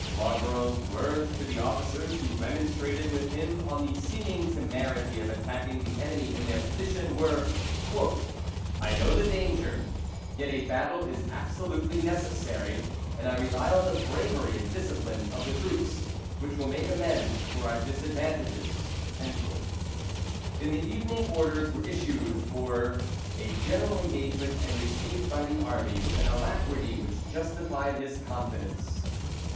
Marborough's words to the officers who remonstrated with him on the seeming temerity of attacking the enemy in their position, were "I know the danger, yet a battle is absolutely necessary; and I rely on the bravery and discipline of the troops, which will make amends for our disadvantages." In the evening orders were issued for a general engagement, and received by the army with an alacrity which justified his confidence.